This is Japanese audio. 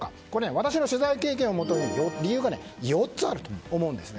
私の取材経験をもとに理由が４つあると思うんですね。